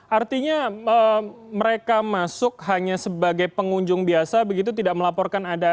artinya mereka masuk hanya sebagai pengunjung biasa begitu tidak melaporkan ada